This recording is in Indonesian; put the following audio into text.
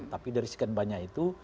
tapi dari sekian banyak itu